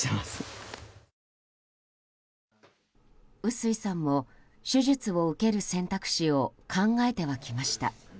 臼井さんも手術を受ける選択肢を考えてはきました。